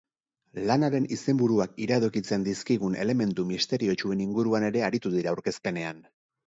Lanaren izenburuak iradokitzen dizkigun elementu misteriotsuen inguruan ere aritu dira aurkezpenean.